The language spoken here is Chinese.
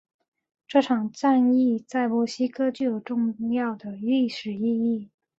这场战役在墨西哥具有重要的历史意义。